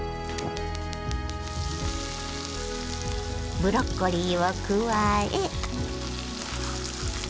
ブロッコリーを加え。